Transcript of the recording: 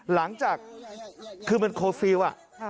หลังจากคือเป็นโคฟิล